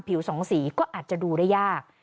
สองสีก็อาจจะดูได้ยาก